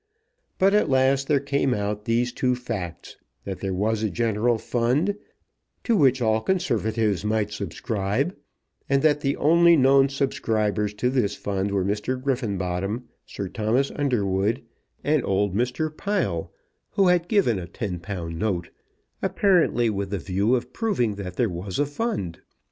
But at last there came out these two facts, that there was a general fund, to which all Conservatives might subscribe, and that the only known subscribers to this fund were Mr. Griffenbottom, Sir Thomas Underwood, and old Mr. Pile, who had given a £10 note, apparently with the view of proving that there was a fund.